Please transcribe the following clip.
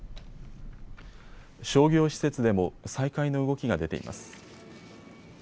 商業施設でも再開の動きが出ています。